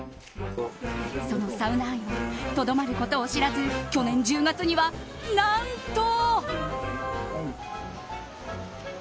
そのサウナ愛はとどまることを知らず去年１０月には何と。